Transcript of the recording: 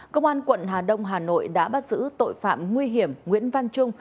công an quận hà đông hà nội đã bắt giữ tội phạm nguy hiểm nguyễn văn trung